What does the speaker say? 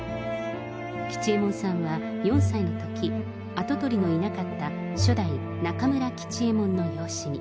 吉右衛門さんは４歳のとき、跡取りのいなかった初代中村吉右衛門の養子に。